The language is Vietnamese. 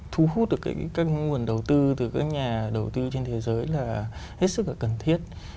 thu hút được các nguồn đầu tư từ các nhà đầu tư trên thế giới là hết sức là cần thiết